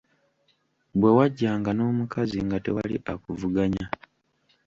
Bwe wajjanga n'omukazi nga tewali akuvuganya.